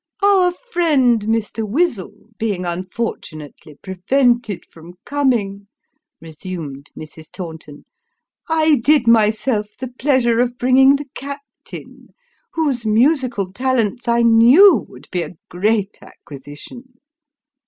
" Our friend, Mr. Wizzle, being unfortunately prevented from coming," resumed Mrs. Taunton, " I did myself the pleasure of bring ing the captain, whose musical talents I knew would be a great acquisition."